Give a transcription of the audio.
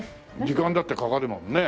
時間だってかかるもんね。